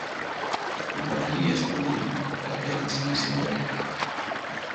L'acompanyaria a estudi pera que l'ensenyessin de viure